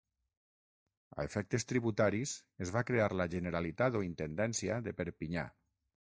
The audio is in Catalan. A efectes tributaris, es va crear la Generalitat o Intendència de Perpinyà.